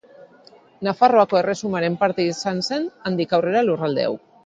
Nafarroako Erresumaren parte izan zen handik aurrera lurralde hau.